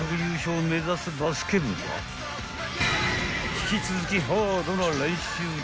［引き続きハードな練習中］